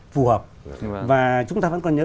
phù hợp và chúng ta vẫn còn nhớ